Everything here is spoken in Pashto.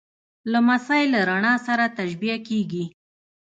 لمسی له رڼا سره تشبیه کېږي.